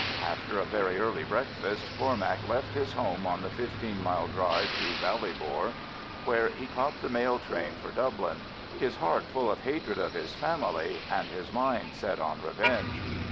After a very early breakfast, Cormac left his home on the fifteen mile drive to Ballybor, where he caught the mail train for Dublin, his heart full of hatred of his family, and his mind set on revenge.